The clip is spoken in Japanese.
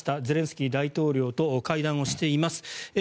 ゼレンスキー大統領と会談しています。